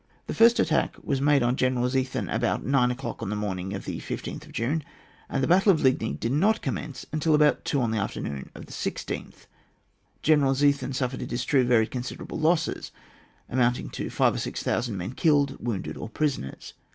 The first attack was made on General Ziethen about nine o'clock on the morning of 15th June, and the battle of Ligny did not commence until about two on the afternoon of 16th. General Zie then suffered, it is true, very considerable loss, amounting to five or six thousand men killed, wounded or prisoners.